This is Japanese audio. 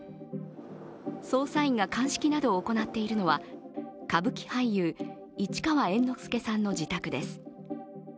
捜査員が鑑識などを行っているのは歌舞伎俳優・市川猿之助さんの自宅です。